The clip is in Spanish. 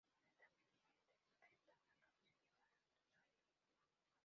En esta película interpreta una canción llamada "Tu Sueño".